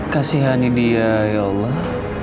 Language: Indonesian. kasihani dia ya allah